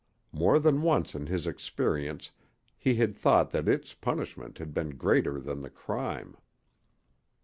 More than once in his experience he had thought that its punishment had been greater than the crime.